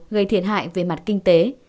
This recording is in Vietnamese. gây thiệt hại về mặt kinh tế